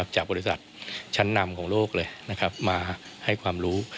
จากบริษัทชั้นนำของโลกเลยมาให้ความรู้